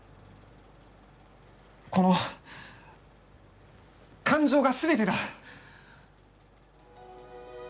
この感情が全てだ。